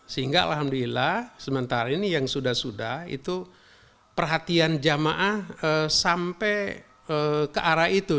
sehingga alhamdulillah sementara ini yang sudah sudah itu perhatian jamaah sampai ke arah itu